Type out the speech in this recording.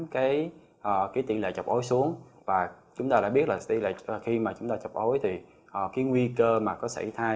cái tỷ lệ chọc ối xuống và chúng ta đã biết là khi mà chúng ta chọc ối thì cái nguy cơ mà có xảy thai